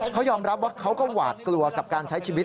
เขายอมรับว่าเขาก็หวาดกลัวกับการใช้ชีวิต